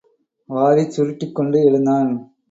வாரிச் சுருட்டிக் கொண்டு எழுந்தான்.